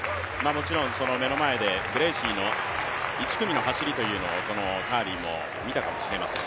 目の前でブレーシーの１組の走りをこのカーリーも見たかもしれません。